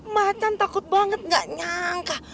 macan takut banget gak nyangka